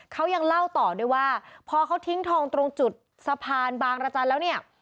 เขายังเล่าต่อด้วยว่าพอเขาทิ้งทองตรงจุดสะพานบางรจันทร์แล้วเนี่ย